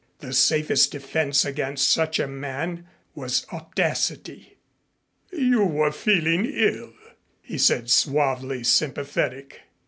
The safest defense against such a man was audacity. "You were feeling ill," he said, suavely sympathetic.